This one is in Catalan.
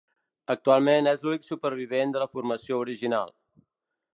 Actualment és l'únic supervivent de la formació original.